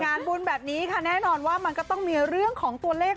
งานบุญแบบนี้ค่ะแน่นอนว่ามันก็ต้องมีเรื่องของตัวเลข